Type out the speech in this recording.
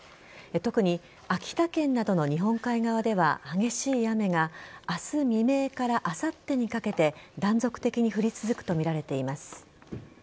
特に秋田県などの日本海側では激しい雨が明日未明からあさってにかけて断続的に降り続くとみられています。